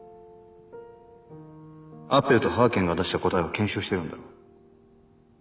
アッペルとハーケンが出した答えを検証してるんだろ？